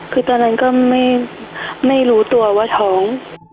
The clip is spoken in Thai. คือตอนนั้นก็ไม่รู้ตัวว่าท้อง